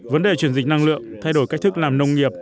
vấn đề chuyển dịch năng lượng thay đổi cách thức làm nông nghiệp